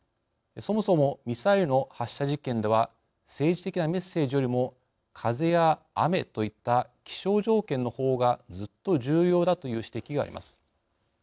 そもそもミサイルの発射実験では政治的なメッセージよりも風や雨といった気象条件のほうがずっと重要だという指摘があります。